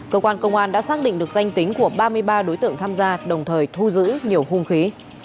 cơ quan công an đã xác định được danh tính của ba mươi ba đối tượng tham gia đồng thời thu giữ nhiều hung khí